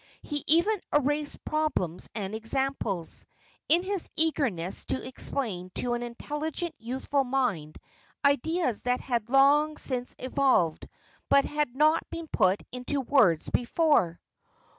He even erased problems and examples, in his eagerness to explain to an intelligent, youthful mind, ideas that he had long since evolved but had not put into words before.